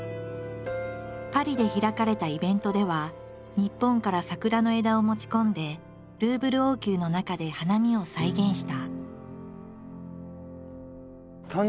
パリで開かれたイベントでは日本から桜の枝を持ち込んでルーブル王宮の中で花見を再現した。